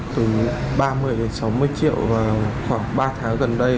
từ ba mươi đến sáu mươi triệu vào khoảng ba tháng gần đây